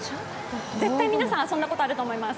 絶対、皆さん遊んだことあると思います。